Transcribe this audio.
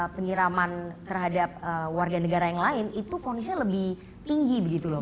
yang disiraman terhadap warga negara yang lain itu fonisnya lebih tinggi begitu loh pak